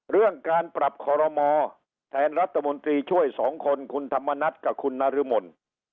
เรื่องการปรับคอรมอแทนรัฐมนตรีช่วยสองคนคุณธรรมนัฐกับคุณนรมน